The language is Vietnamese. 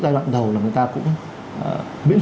giai đoạn đầu là người ta cũng miễn